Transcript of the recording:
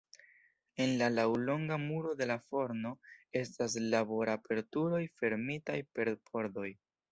En la laŭlonga muro de la forno estas labor-aperturoj fermitaj per pordoj.